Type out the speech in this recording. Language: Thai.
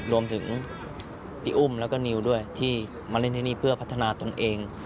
รวมถึงพี่อุ้มแล้วก็นิวด้วยที่มาเล่นที่นี่เพื่อพัฒนาตนเอง